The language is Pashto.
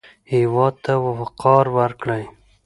هېواد ته وقار ورکړئ